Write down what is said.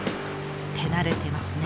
手慣れてますね。